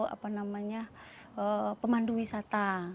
apa namanya pemandu wisata